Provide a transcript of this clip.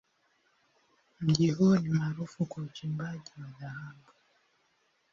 Mji huu ni maarufu kwa uchimbaji wa dhahabu.